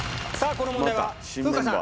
この問題は風花さん